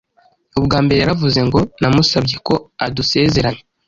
ubwa mbere yaravuze ngo namusabye ko adusezeranya